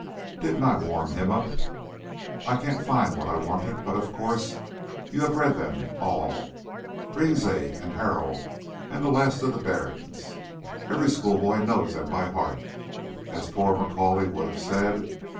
Didn't I warm him up? I can't find what I wanted, but of course you have read them all 'Rienzi,' and 'Harold,' and 'The Last of the Barons.' Every schoolboy knows them by heart, as poor Macaulay would have said.